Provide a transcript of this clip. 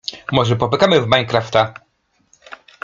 Może popykamy w Minecrafta?